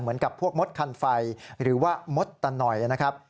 เหมือนกับพวกมดคันไฟหรือว่ามดตะหน่อยนะครับ